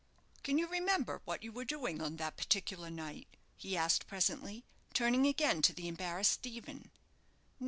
"Can you remember what you were doing on that particular night?" he asked, presently, turning again to the embarrassed Stephen.